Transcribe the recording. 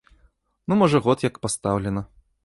Ну можа год як пастаўлена.